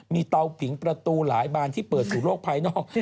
มีเตาผิงประตูหลายบานที่เปิดสู่โลกภายนอก